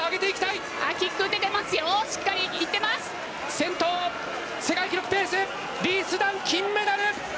先頭、世界記録ペースリース・ダン、金メダル！